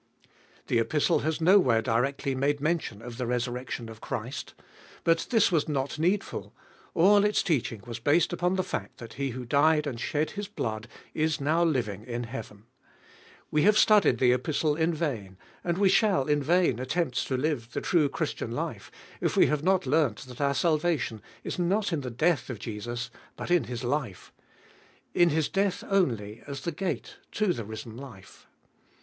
The Epistle has nowhere directly made mention of the resurrection of Christ. But this was not needful: all its teaching was based upon the fact that He who died and shed Cbe holiest of BU 539 His blood is now living in heaven. We have studied the Epistle in vain, and we shall in vain attempt to live the true Christian life, if we have not learnt that our salvation is not in the death of Jesus but in His life — in His death only as the gate to the risen life.